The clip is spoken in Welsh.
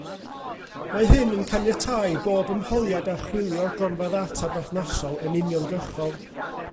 Mae hyn yn caniatáu i bob ymholiad archwilio'r gronfa ddata berthnasol yn uniongyrchol.